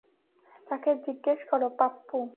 তাকে জিজ্ঞেস কর, পাপ্পু।